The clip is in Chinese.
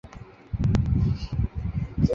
信号肽肽链。